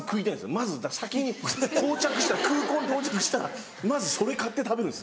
まず先に到着したら空港に到着したらまずそれ買って食べるんです